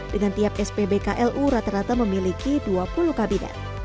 dengan tiap spbklu rata rata memiliki dua puluh kabinet